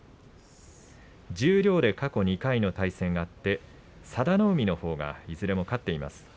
十両で過去２回の対戦があって佐田の海のほうがいずれも勝っています。